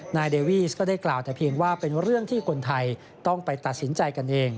นายเดวีสก็ได้กล่าวแต่เพียงว่าเป็นเรื่องที่คนไทยต้องไปตัดสินใจกันเอง